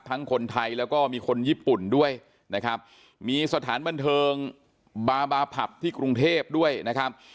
คนไทยแล้วก็มีคนญี่ปุ่นด้วยนะครับมีสถานบันเทิงบาบาผับที่กรุงเทพด้วยนะครับ